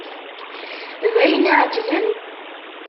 D ayen iεeǧlen?